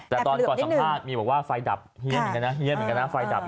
แต่ตอนก่อนสัมภาษณ์มีบอกว่าไฟดับเฮียนเหมือนกันนะ